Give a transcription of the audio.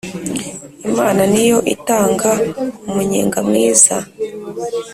imana niyo itanga umunyenga mwiza